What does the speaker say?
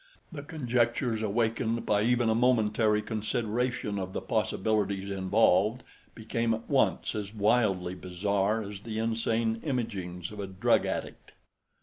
The conjectures awakened by even a momentary consideration of the possibilities involved became at once as wildly bizarre as the insane imaginings of a drug addict.